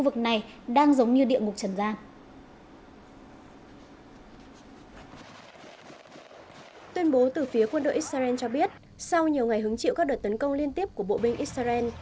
quân đội israel cho biết sau nhiều ngày hứng chịu các đợt tấn công liên tiếp của bộ binh israel